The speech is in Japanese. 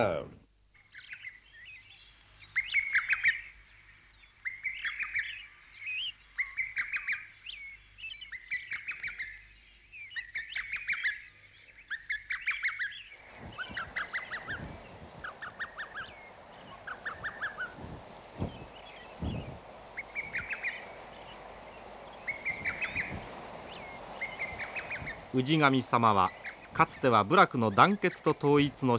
氏神様はかつては部落の団結と統一の象徴でした。